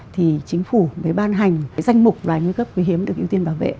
thì chính phủ mới ban hành cái danh mục loài nguy cấp quý hiếm được ưu tiên bảo vệ